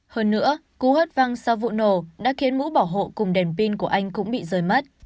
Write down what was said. hơn nữa cú hất văng sau vụ nổ đã khiến mũ bảo hộ cùng đèn pin của anh cũng bị rời mất